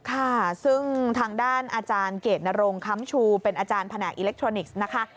ค่ะซึ่งทางด้านอาจารย์เกรดนรงค้ำชูเป็นอาจารย์แผนกอิเล็กทรอนิกส์นะคะ